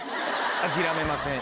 諦めません。